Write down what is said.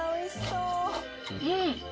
うん！